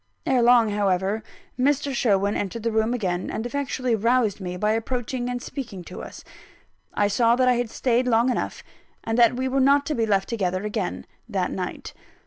Ere long, however, Mr. Sherwin entered the room again, and effectually roused me by approaching and speaking to us. I saw that I had stayed long enough, and that we were not to be left together again, that night.